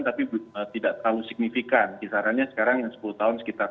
tapi tidak tahu signifikan kisarannya sekarang yang sepuluh tahun sekitar enam empat